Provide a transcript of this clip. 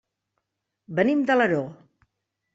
Venim d'Alaró.